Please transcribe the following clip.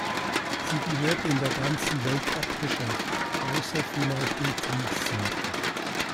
Sie gehört in der ganzen Welt abgeschafft, außer vielleicht in Kriegszeiten.